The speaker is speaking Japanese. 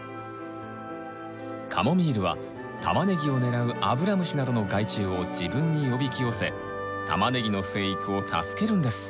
カモミールはタマネギを狙うアブラムシなどの害虫を自分におびき寄せタマネギの生育を助けるんです。